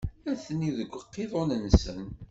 Atni deg uqiḍun-nsen.